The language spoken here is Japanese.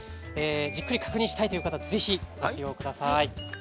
じっくり確認したいという方ぜひ活用ください。